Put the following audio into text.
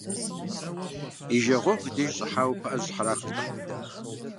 И жагъуэгъу и деж щӀыхьауэ пыӀэ зыщхьэрахыртэкъым.